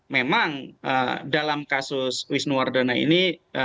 memang dalam kasus wisnuardana ini